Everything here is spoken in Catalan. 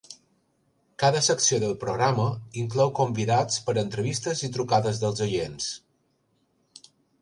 Cada secció del programa inclou convidats per a entrevistes i trucades dels oients.